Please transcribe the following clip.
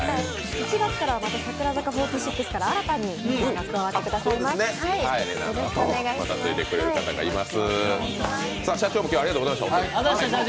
１月からは櫻坂４６から新たなメンバーが加わってくださいます。